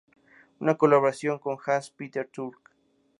En colaboración con Hans Peter Türk.